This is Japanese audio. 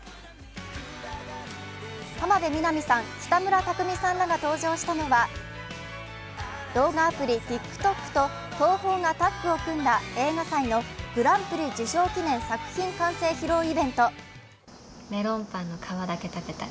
浜辺美波さん、北村匠海さんらが登場したのは動画アプリＴｉｋＴｏｋと東宝がタッグを組んだ映画祭のグランプリ受賞記念作品完成披露イベント。